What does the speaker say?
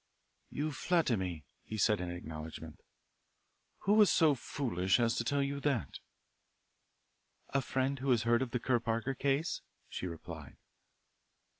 "You flatter me;" he said in acknowledgment. "Who was so foolish as to tell you that?" "A friend who has heard of the Kerr Parker case," she replied.